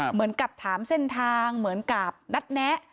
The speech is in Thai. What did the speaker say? เหมือนกับถามเส้นทางเหมือนกับนัดแนะ